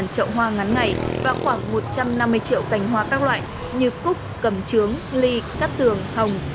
hai trăm linh ba trăm linh trậu hoa ngắn ngày và khoảng một trăm năm mươi triệu cành hoa các loại như cúc cầm trướng ly cát tường hồng